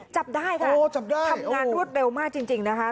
จับได้ค่ะทำงานรวดเร็วมากจริงนะคะ